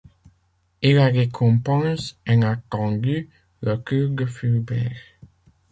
Et la récompense inattendue : le cul de Fulbert.